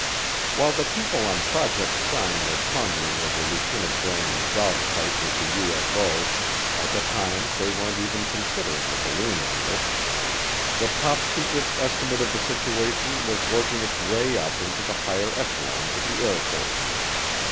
While the people on Project Sign were pondering over Lieutenant Gorman's dogfight with the UFO at the time they weren't even considering the balloon angle the Top Secret Estimate of the Situation was working its way up into the higher echelons of the Air Force.